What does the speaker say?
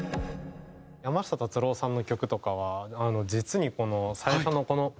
山下達郎さんの曲とかは実に最初のこの。